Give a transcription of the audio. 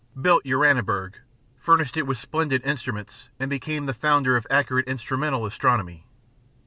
Built Uraniburg, furnished it with splendid instruments, and became the founder of accurate instrumental astronomy.